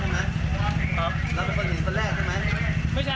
แล้วเป็นคนอื่นตั้งแรกหรือไหม